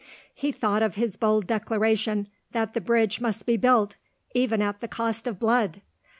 He thought of his bold declaration that the bridge must be built, even at the cost of blood!